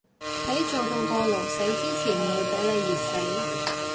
喺做到過勞死之前唔會畀你熱死